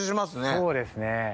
そうですね。